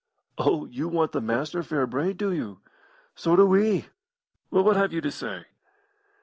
"Oh, you want the Master fair brayed, do you? So do we. Well, what have you to say?"